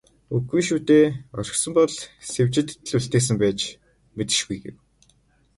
"Үгүй шүү дээ, орхисон бол Сэвжидэд л үлдээсэн байж мэдэшгүй" гэв.